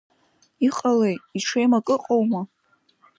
Иҟалеи иҽеим ак ыҟоума?